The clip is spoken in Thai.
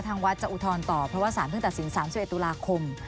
ทางวัดจะอุทธรณ์ต่อเพราะว่า๓พฤษฐศิลป์๓๑ตุลาคม